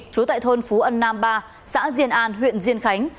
trú tại thôn phú ân nam ba xã diên an huyện diên khánh